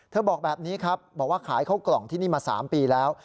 บอกแบบนี้ครับบอกว่าขายข้าวกล่องที่นี่มา๓ปีแล้ว